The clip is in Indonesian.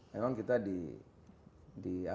memang kita di